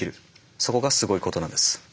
そこがすごいことなんです。